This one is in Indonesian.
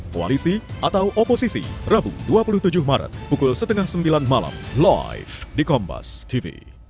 koalisi atau oposisi rabu dua puluh tujuh maret pukul setengah sembilan malam live di kompas tv